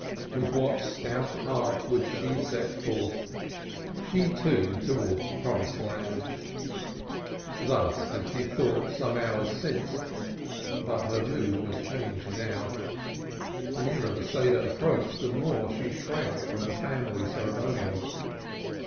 With what stout heart would she set forth, she, too, towards the promised land! Thus had she thought some hours since, but her mood was changed now. The nearer the Seder approached, the more she shrank from the family ceremonial.